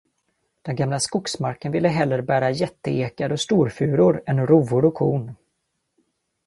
Den gamla skogsmarken ville hellre bära jätteekar och storfuror än rovor och korn.